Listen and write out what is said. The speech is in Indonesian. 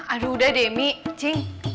aduh udah deh mih cing